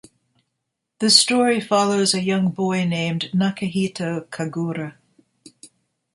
The story follows a young boy named Nakahito Kagura.